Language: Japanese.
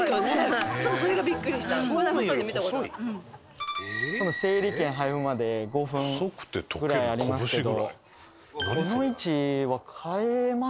多分整理券配布まで５分ぐらいありますけど。